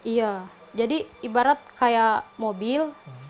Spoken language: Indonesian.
iya jadi ibarat kayak mobil